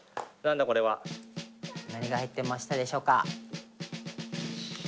これは。何が入ってましたでしょうか？